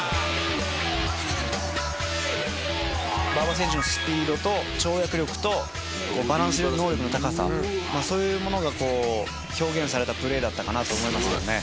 馬場選手のスピードと跳躍力とバランス能力の高さそういうものがこう表現されたプレーだったかなと思いますけどね。